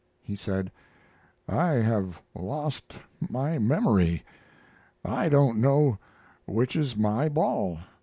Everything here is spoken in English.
He said: "I have lost my memory. I don't know which is my ball.